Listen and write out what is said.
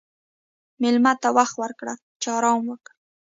مېلمه ته وخت ورکړه چې آرام وکړي.